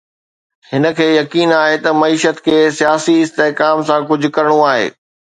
هن کي يقين آهي ته معيشت کي سياسي استحڪام سان ڪجهه ڪرڻو آهي.